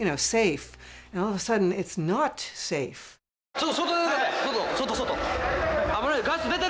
ちょっと外出て！